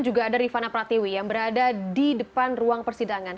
juga ada rifana pratiwi yang berada di depan ruang persidangan